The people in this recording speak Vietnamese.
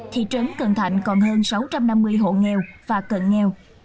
thị trấn cần thạnh còn hơn sáu trăm năm mươi hộ nghèo và cận nghèo